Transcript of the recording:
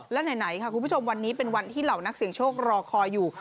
และไหนค่ะคุณผู้ชมวันนี้เป็นวันที่เหล่านักเสียงโชครอคอยอยู่